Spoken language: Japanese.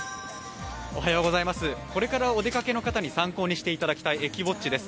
これからお出かけの方に参考していただきたい駅ウオッチです。